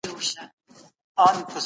ملګرتیا دلته په درد خوري.